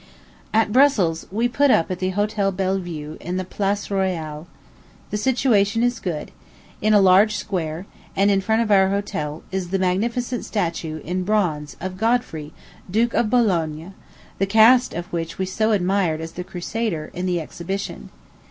At Brussels, we put up at the Hotel Bellevue, in the Place Royale. The situation is good. In a large square, and in front of our hotel, is the magnificent statue, in bronze, of Godfrey, Duke of Boulogne, the cast of which we so admired as the Crusader, in the exhibition.